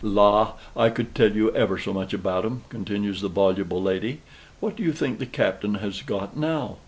"La, I could tell you ever so much about 'em," continues the voluble lady. "What do you think the Captain has got now?